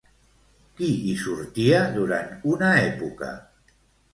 Qui hi sortia durant una època?